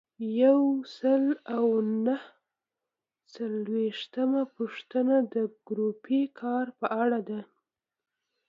یو سل او نهه څلویښتمه پوښتنه د ګروپي کار په اړه ده.